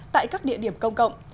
tại các địa điểm công cộng